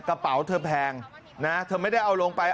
กระเป๋าเธอแพงนะเธอไม่ได้เอาลงไป